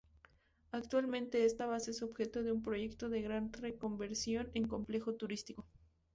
Actualmente esta base es objeto de un proyecto de gran reconversión en complejo turístico.